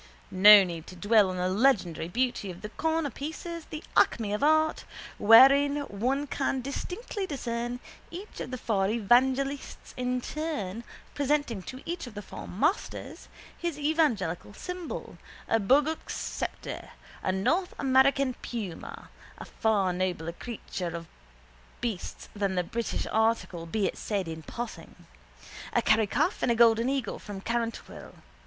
No need to dwell on the legendary beauty of the cornerpieces, the acme of art, wherein one can distinctly discern each of the four evangelists in turn presenting to each of the four masters his evangelical symbol, a bogoak sceptre, a North American puma (a far nobler king of beasts than the British article, be it said in passing), a Kerry calf and a golden eagle from Carrantuohill.